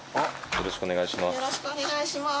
よろしくお願いします。